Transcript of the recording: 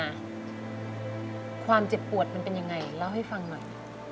ความเจ็บปวดมันเป็นยังไงเล่าให้ฟังหน่อย